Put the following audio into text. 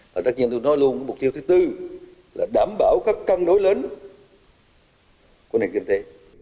và tất nhiên tôi nói luôn cái mục tiêu thứ tư là đảm bảo các cân đối lớn của nền kinh tế